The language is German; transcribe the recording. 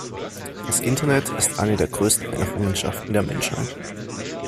Das Internet ist eine der größten Errungenschaften der Menschheit.